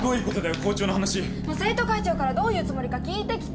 生徒会長からどういうつもりか聞いてきて！